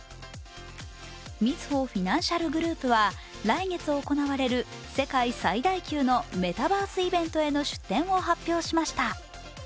みずほフィナンシャルグループは来月行われる世界最大級のメタバースイベントへの出展を発表しました。